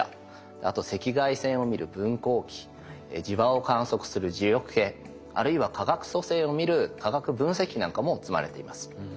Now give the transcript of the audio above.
あと赤外線を見る分光器磁場を観測する磁力計あるいは化学組成を見る化学分析器なんかも積まれています。